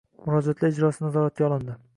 Murojaatlar ijrosi nazoratga olindi